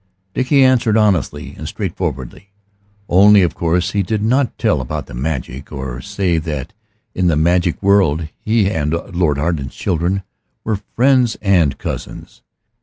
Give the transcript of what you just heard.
Dickie answered honestly and straightforwardly. Only of course he did not tell about the magic, or say that in that magic world he and Lord Arden's children were friends and cousins.